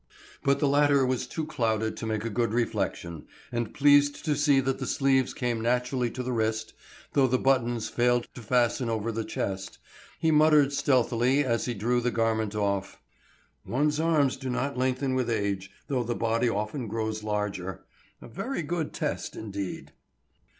But the latter was too clouded to make a good reflection, and pleased to see that the sleeves came naturally to the wrist, though the buttons failed to fasten over the chest, he muttered stealthily as he drew the garment off, "One's arms do not lengthen with age, though the body often grows larger. A very good test indeed!"